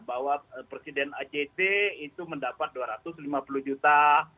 bahwa presiden act itu mendapat dua ratus lima puluh juta